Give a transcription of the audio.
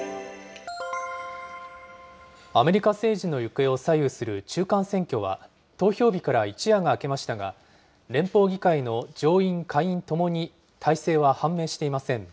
アメリカ政治の行方を左右する中間選挙は、投票日から一夜が明けましたが、連邦議会の上院、下院ともに大勢は判明していません。